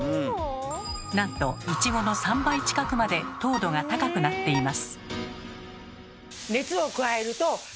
なんといちごの３倍近くまで糖度が高くなっています。